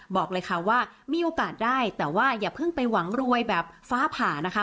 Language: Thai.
บอกเลยค่ะว่ามีโอกาสได้แต่ว่าอย่าเพิ่งไปหวังรวยแบบฟ้าผ่านะคะ